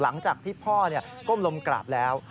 หลังจากที่พ่อก้มลมกราบแล้ว